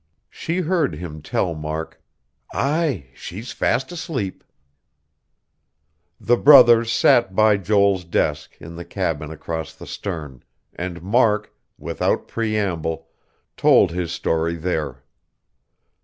She heard him tell Mark: "Aye, she's fast asleep." The brothers sat by Joel's desk, in the cabin across the stern; and Mark, without preamble, told his story there.